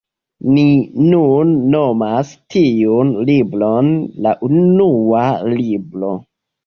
Ni nun nomas tiun libron la Unua Libro.